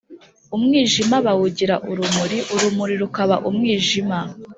Umwijima bawugira urumuri, urumuri rukaba umwijima,